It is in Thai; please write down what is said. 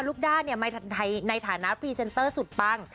ลูกด้าในฐานะพรีเซนเตอร์สุดปัง